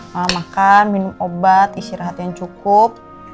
makan minum obat istirahat yang cukup